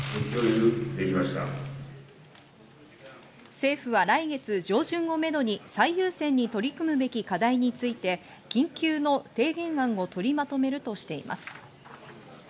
政府は来月上旬をめどに最優先に取り組むべき課題について、緊急の提言案を取りまとめるとしています。